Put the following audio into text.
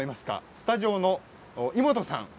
スタジオのイモトさん。